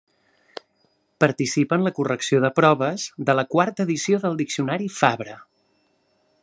Participa en la correcció de proves de la quarta edició del Diccionari Fabra.